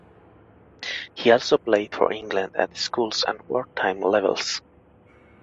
He also played for England at schools and wartime levels.